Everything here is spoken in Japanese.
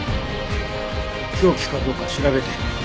凶器かどうか調べて。